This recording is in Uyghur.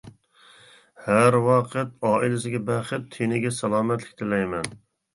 ھەر ۋاقىت ئائىلىسىگە بەخت، تېنىگە سالامەتلىك تىلەيمەن.